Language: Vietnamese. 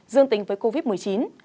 dương tính với covid một mươi chín